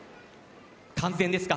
完全ですか？